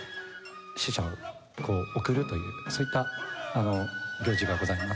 死者を送るというそういった行事がございます。